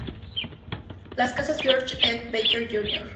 La Casas George F. Baker Jr.